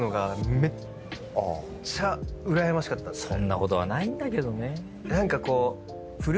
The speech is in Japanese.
そんなことはないんだけどね。